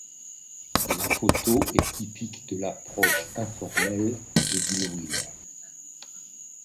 La photo est typique de l'approche informelle de Dillwyn.